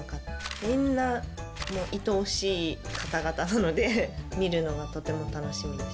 みんないとおしい方々なので見るのがとても楽しみです。